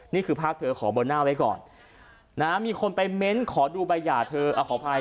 นี่คือภาพเธอขอเบอร์หน้าไว้ก่อนนะฮะมีคนไปเม้นขอดูใบหย่าเธอขออภัย